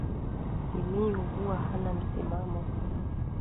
Simiyu huwa hana msimamo